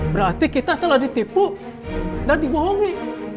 berarti kita telah ditipu dan dibohongi